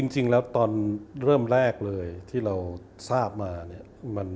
จริงแล้วตอนเริ่มแรกเลยที่เราทราบมาเนี่ย